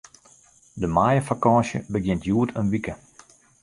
De maaiefakânsje begjint hjoed in wike.